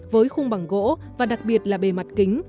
với khung bằng gỗ và đặc biệt là bề mặt kính